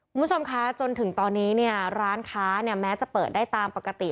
คุณผู้ชมคะจนถึงตอนนี้เนี่ยร้านค้าเนี่ยแม้จะเปิดได้ตามปกติ